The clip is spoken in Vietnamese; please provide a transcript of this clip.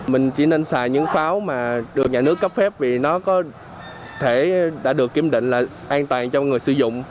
mình chỉ nên xài những pháo mà được nhà nước cấp phép vì nó có thể đã được kiểm định là an toàn cho người sử dụng